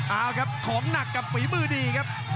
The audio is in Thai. เอาครับของหนักกับฝีมือดีครับ